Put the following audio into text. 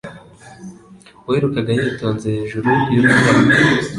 uwirukaga yitonze hejuru y'urutare